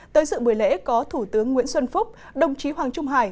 tới dự buổi lễ có thủ tướng nguyễn xuân phúc đồng chí hoàng trung hải